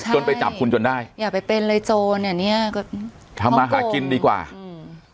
ไปจับคุณจนได้อย่าไปเป็นเลยโจรเนี้ยก็ทำมาหากินดีกว่าอืม